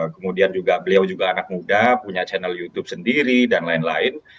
kemudian beliau juga anak muda punya channel youtube sendiri dan lain lain